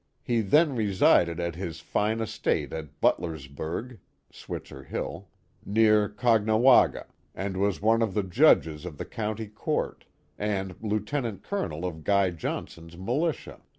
He then resided at his fine estate at Butlers burg (Switzer Hill), near Caughnawaga, and was one of the judges of the county court, and lieutenant colonel of Guy Johnson's militia.